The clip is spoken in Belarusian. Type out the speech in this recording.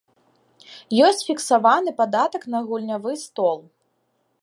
Ёсць фіксаваны падатак на гульнявы стол.